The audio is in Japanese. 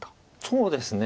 そうですね。